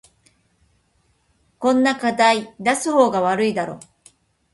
こんな課題出す方が悪いだろ